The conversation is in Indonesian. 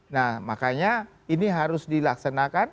nah makanya ini harus dilaksanakan